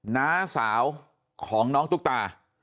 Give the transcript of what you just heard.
น้าสาวของน้องตุ๊กตา